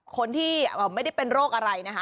คนที่ไม่ได้เป็นโรคอะไรนะคะ